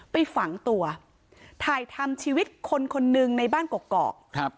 ไปฝังตัวถ่ายทำชีวิตคนคนหนึ่งในบ้านกอกครับ